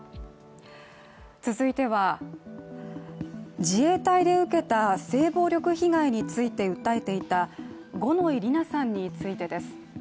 続いては自衛隊で受けた性暴力被害について訴えていた五ノ井里奈さんについてです。